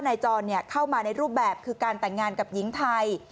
จรเข้ามาในรูปแบบคือการแต่งงานกับหญิงไทย